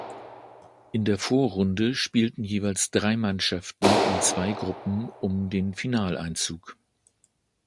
In der Vorrunde spielten jeweils drei Mannschaften in zwei Gruppen um den Finaleinzug.